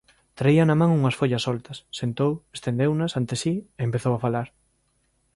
Traía na man unhas follas soltas, sentou, estendeunas ante si e empezou a falar.